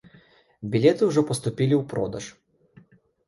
Білеты ўжо паступілі ў продаж.